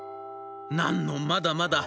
「なんのまだまだ。